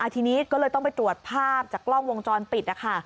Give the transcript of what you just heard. ทีนี้ก็เลยต้องไปตรวจภาพจากกล้องวงจรปิดนะคะ